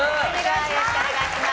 よろしくお願いします。